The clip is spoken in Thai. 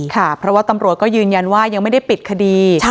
ค่ะเพราะว่าตำรวจก็ยืนยันว่ายังไม่ได้ปิดคดี